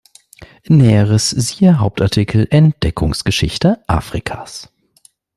Näheres siehe Hauptartikel "Entdeckungsgeschichte Afrikas".